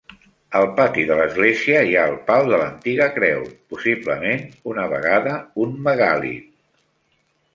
Al pati de l'església hi ha el pal de l'antiga creu, possiblement una vegada un megàlit.